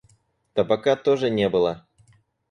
Табака тоже не было.